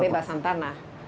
tapi pembebasan tanah